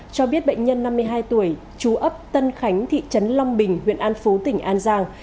cho biết bệnh nhân năm mươi hai tuổi chú ấp tân khánh thị trấn long bình huyện an phú tỉnh an giang